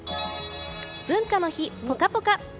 文化の日、ポカポカ。